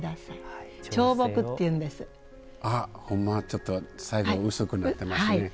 ちょっと最後薄くなってますね。